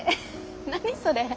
何それ。